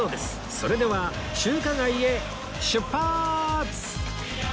それでは中華街へ出発！